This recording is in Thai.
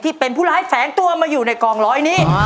ผู้เป็นผู้ร้ายแฝงตัวมาอยู่ในกองร้อยนี้